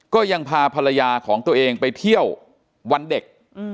ก็ยังพาภรรยาของตัวเองไปเที่ยววันเด็ก